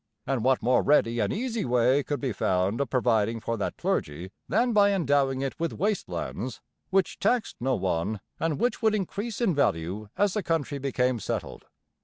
And what more ready and easy way could be found of providing for that 'clergy' than by endowing it with waste lands which taxed no one and which would increase in value as the country became settled?